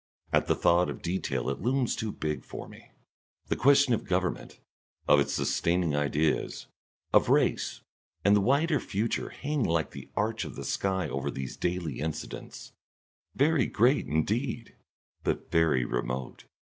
At the thought of detail it looms too big for me. The question of government, of its sustaining ideas, of race, and the wider future, hang like the arch of the sky over these daily incidents, very great indeed, but very remote.